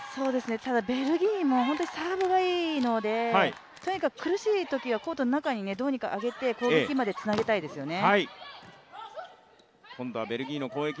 ただ、ベルギーもサーブがいいので、とにかく苦しいときはコートの中にどうにか上げて攻撃までつなげたいですよね。